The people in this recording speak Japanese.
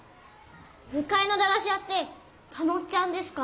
むかいのだがし屋って「たもっちゃん」ですか？